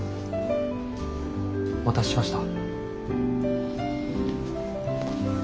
お待たせしました。